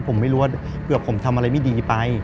ผมไม่รู้ว่าเผื่อผมทำอะไรไม่ดีไป